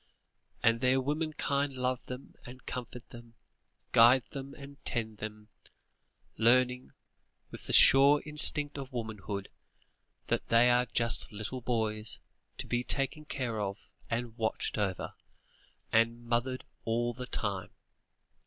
And their womenkind love them, and comfort them, guide them and tend them, learning, with the sure instinct of womanhood, that they are just little boys, to be taken care of, and watched over, and "mothered" all the time.